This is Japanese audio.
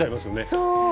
そう！